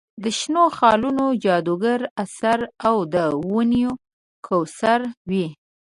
د شنو خالونو جادوګر اثر او د ونیو کوثر وي.